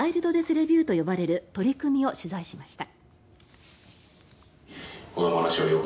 レビューと呼ばれる取り組みを取材しました。